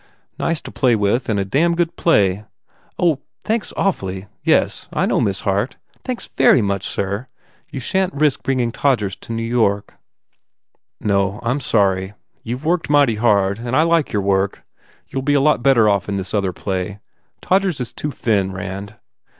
Nice to play with and a damned good play." "Oh thanks awfully. Yes, I know Miss Hart. Thanks very much, sir. ... You shan t risk bringing Todgers to New York?" 243 THE FAIR REWARDS "No. I m sorry. You ve worked mighty hard and I like your work. You ll be a lot better off in this other play. ... Todgers is too thin, Rand.